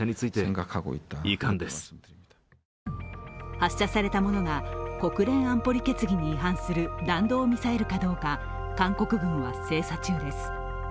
発射されたものが国連安保理決議に違反する弾道ミサイルかどうか韓国軍は精査中です。